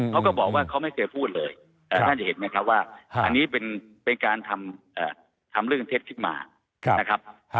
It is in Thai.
เขาก็บอกว่าเขาไม่เคยพูดเลยแต่ท่านจะเห็นไหมครับว่าอันนี้เป็นการทำเรื่องเท็จขึ้นมานะครับ